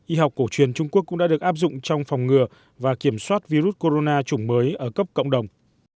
y học cổ truyền trung quốc cũng đã được áp dụng trong phòng ngừa và kiểm soát virus corona chủng mới ở cấp cộng đồng